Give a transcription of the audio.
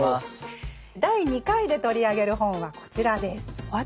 第２回で取り上げる本はこちらです。